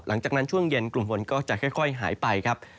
หลังจากนั้นช่วงเย็นกลุ่มฝนก็จะค่อยหายไปครับ